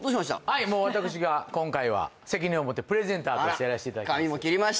はいもう私が今回は責任を持ってプレゼンターとしてやらせていただきます